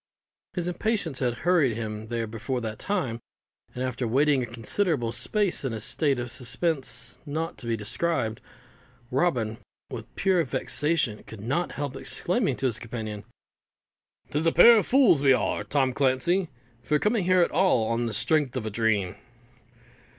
His impatience had hurried him there before that time, and after waiting a considerable space in a state of suspense not to be described, Robin, with pure vexation, could not help exclaiming to his companion, "'Tis a pair of fools we are, Tom Clancey, for coming here at all on the strength of a dream."